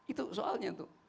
itu soalnya tuh